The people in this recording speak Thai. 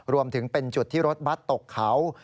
รวมถึงเป็นจุดที่รถบัตรตกเขา